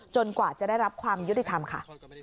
กว่าจะได้รับความยุติธรรมค่ะ